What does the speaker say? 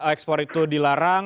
ekspor itu dilarang